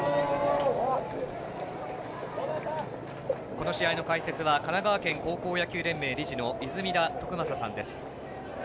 この試合の解説は神奈川県高校野球連盟理事の泉田徳正さんです。